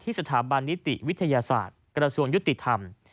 สถาบันนิติวิทยาศาสตร์กระทรวงยุติธรรม